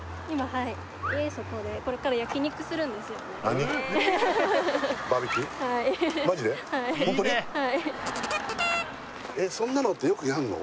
はいはいえっそんなのってよくやんの？